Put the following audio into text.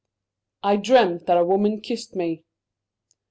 "I dreamt that a woman kissed me!"